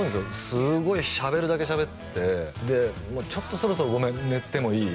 すごい喋るだけ喋ってでちょっとそろそろごめん寝てもいい？